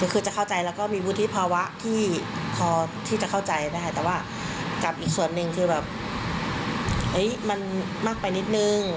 คือจะเข้าใจแล้วก็มีวุฒิภาวะที่พอที่จะเข้าใจได้แต่ว่ากับอีกส่วนหนึ่งคือแบบมันมากไปนิดนึง